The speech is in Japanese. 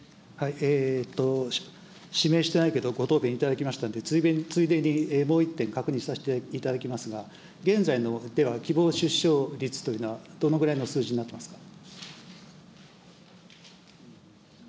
指名してないけど、ご答弁いただきましたんで、ついでにもう１点、確認させていただきますが、現在の、では、希望出生率というのは、どのぐらいの数字になっていますか。